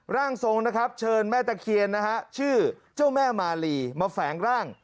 ร่างทรงนะครับเชิญแม่ตะเคียนนะฮะชื่อเจ้าแม่มาลีมาแฝงร่าง